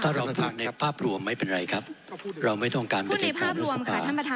ถ้าเราฟังในภาพรวมไม่เป็นไรครับเราไม่ต้องการพูดในภาพรวมค่ะท่านประธาน